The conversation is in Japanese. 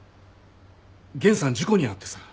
源さん事故に遭ってさ。